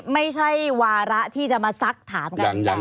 ไม่ใช่วาระที่จะมาซักถามกัน